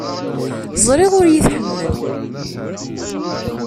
Ẓriɣ ur iyi-tḥemmel.